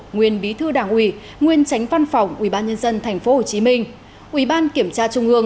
nguyên bí thư đảng ủy nguyên tránh văn phòng ubnd tp hcm ubnd tp hcm